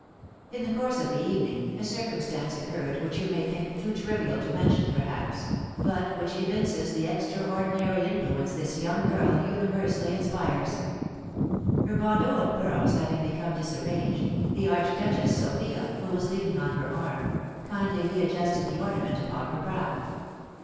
In the course of the evening a circumstance occurred which you may think too trivial to mention, perhaps, but which evinces the extraordinary influence this young girl universally inspires. Her bandeau of pearls having become disarranged, the Archduchess Sophia, who was leaning on her arm, kindly readjusted the ornament upon her brow.